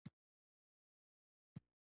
باید د عالمانو شورا ته غوره شي.